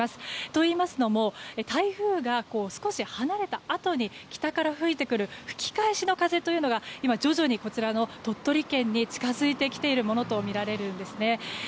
といいますのも台風が少し離れたあとに北から吹いてくる吹き返しの風というのが今、徐々にこちらの鳥取県に近づいてきているものとみられるんですね。